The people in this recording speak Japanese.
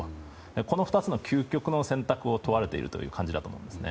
この２つの究極の選択を問われているという感じだと思います。